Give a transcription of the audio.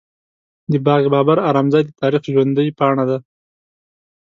د باغ بابر ارام ځای د تاریخ ژوندۍ پاڼه ده.